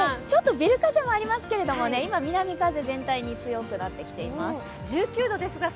ちょっとビル風もありますけどね、今、南風全体に強くなっています。